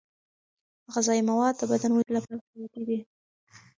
غذايي مواد د بدن ودې لپاره حیاتي دي.